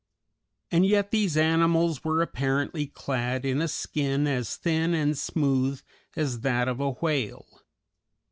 And yet these animals were apparently clad in a skin as thin and smooth as that of a whale.